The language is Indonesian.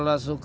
itu beli enak